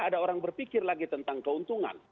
ada orang berpikir lagi tentang keuntungan